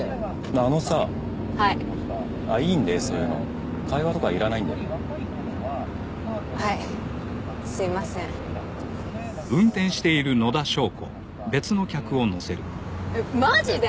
あのさはいいいんでそういうの会話とかいらないんではいすいませんマジで？